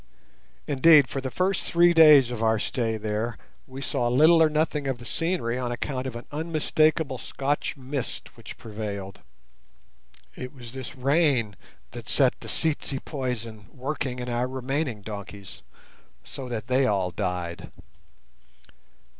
Indeed, for the first three days of our stay there we saw little or nothing of the scenery on account of an unmistakable Scotch mist which prevailed. It was this rain that set the tsetse poison working in our remaining donkeys, so that they all died.